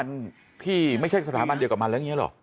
มันที่ไม่ใช่สถาบันเดียวกับมันแล้วอย่างนี้หรอ